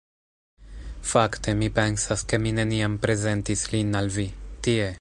Fakte, mi pensas, ke mi neniam prezentis lin al vi. Tie!